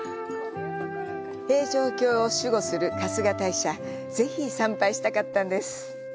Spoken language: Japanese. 平城京を守護する春日大社、ぜひ参拝したかったんです。